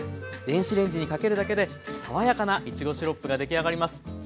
電子レンジにかけるだけで爽やかないちごシロップが出来上がります。